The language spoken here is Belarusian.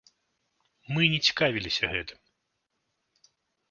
Мы і не цікавіліся гэтым.